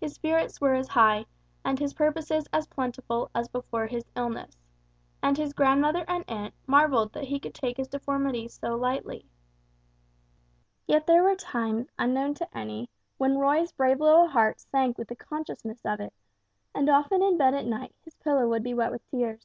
His spirits were as high, and his purposes as plentiful as before his illness; and his grandmother and aunt marvelled that he could take his deformity so lightly. Yet there were times unknown to any, when Roy's brave little heart sank with the consciousness of it; and often in bed at night his pillow would be wet with tears.